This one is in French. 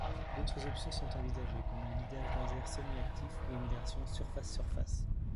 D’autres options sont envisagées comme un guidage laser semi-actif ou une version surface-surface.